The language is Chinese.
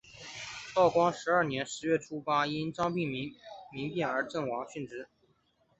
道光十二年十月初八日因张丙民变事件而阵亡殉职。